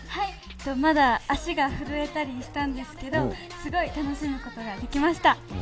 まだ足が震えたりしたんですけど、すごい楽しむことができました。